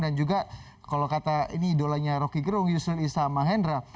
dan juga kalau kata ini idolanya rocky gerung yusel issamahendra